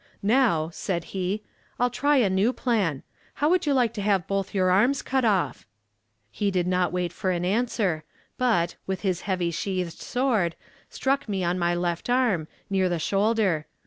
'Now,' said he, 'I'll try a new plan. How would you like to have both your arms cut off?' He did not wait for an answer, but, with his heavy sheathed sword, struck me on my left arm, near the shoulder.